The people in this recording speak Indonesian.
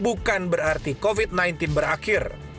bukan berarti covid sembilan belas berakhir